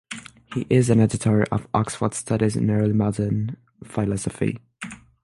He is an editor of "Oxford Studies in Early Modern Philosophy".